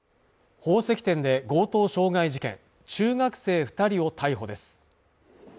宝石店で強盗傷害事件中学生二人を逮捕です